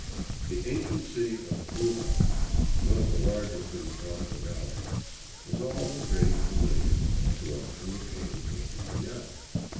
The ancient city of Buga, one of the largest in the Cauca valley, was already familiar to us from the pages of " Maria."